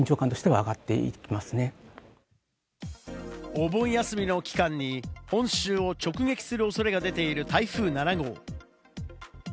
お盆休みの期間に本州を直撃する恐れが出ている台風７号。